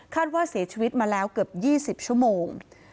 ว่าเสียชีวิตมาแล้วเกือบ๒๐ชั่วโมง